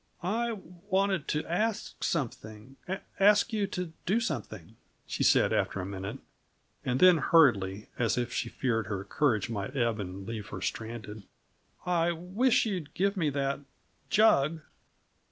"I wanted to ask something ask you to do something," she said, after a minute. And then hurriedly, as if she feared her courage might ebb and leave her stranded, "I wish you'd give me that jug!"